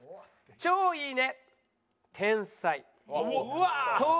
「超いいね」。